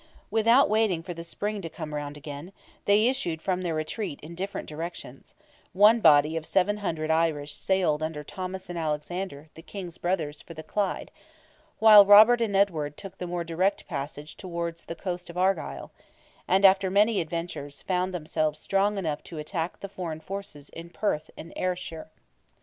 Without waiting for the spring to come round again, they issued from their retreat in different directions; one body of 700 Irish sailed under Thomas and Alexander, the King's brothers, for the Clyde, while Robert and Edward took the more direct passage towards the coast of Argyle, and, after many adventures, found themselves strong enough to attack the foreign forces in Perth and Ayrshire.